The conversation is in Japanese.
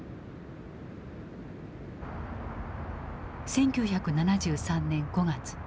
１９７３年５月。